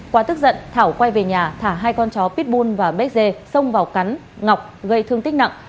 qua tức giận thảo quay về nhà thả hai con chó pitbull và bezze xông vào cắn ngọc gây thương tích nặng